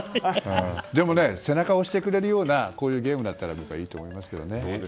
でも背中を押してくれるようなゲームだったらいいと思いますけどね。